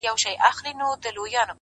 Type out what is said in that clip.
خر په سبا څه خبر.